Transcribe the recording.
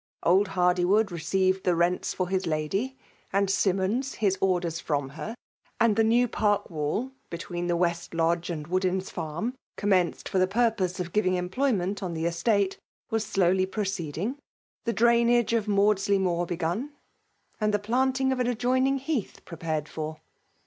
Old Hardywood received the rents for his lady, and Simmons his orders fnm her ; and the new park wall between the west lodge and Wood in's farm (commenced for the purpose of f^ving employment on the estate) was slowly proceeding ; the drainage of Maudsley Moor begun, and the planting of an adjoining heath prepared for.